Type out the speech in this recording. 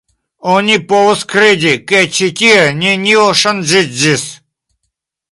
Oni povus kredi, ke ĉi tie nenio ŝanĝiĝis.